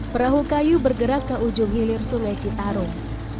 perahu kayu bergerak ke ujung hilir sungai citarum